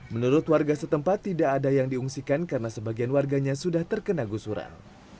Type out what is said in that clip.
menurut warga setempat tidak ada yang diungsikan karena sebagian warganya sudah terkena gusuran